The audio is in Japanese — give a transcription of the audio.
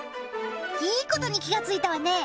いいことに気が付いたわねぇ。